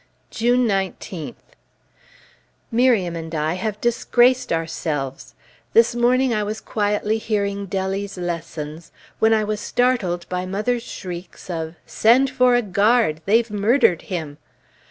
June 19th. Miriam and I have disgraced ourselves! This morning I was quietly hearing Dellie's lessons, when I was startled by mother's shrieks of "Send for a guard they've murdered him!"